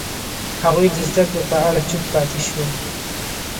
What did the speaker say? هغوی د زده کړو په اړه چوپ پاتې شول.